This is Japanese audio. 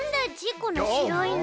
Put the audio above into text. このしろいの。